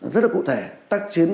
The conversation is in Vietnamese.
rất là cụ thể tác chiến